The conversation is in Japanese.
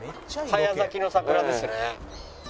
早咲きの桜ですね。